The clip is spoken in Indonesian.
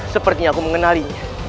sepertinya aku mengenalinya